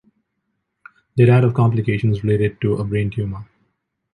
They died of complications related to a brain tumor.